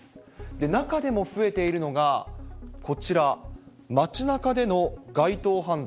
中でも増えているのが、こちら、まちなかでの街頭犯罪。